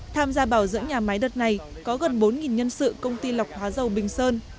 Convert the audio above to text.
tham gia bảo dưỡng nhà máy đợt này có gần bốn nhân sự công ty lọc hóa dầu bình sơn